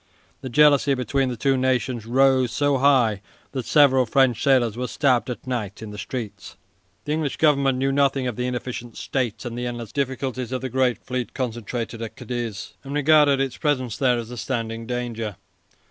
The jealousy between the two nations rose so high that several French sailors were stabbed at night in the streets. The English Government knew nothing of the inefficient state and the endless difficulties of the great fleet concentrated at Cadiz, and regarded its presence there as a standing danger.